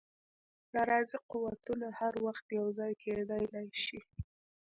ناراضي قوتونه هر وخت یو ځای کېدلای شي.